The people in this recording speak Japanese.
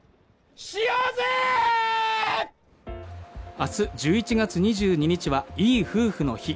明日１１月２２日はいい夫婦の日。